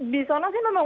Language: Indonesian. di sana sih memang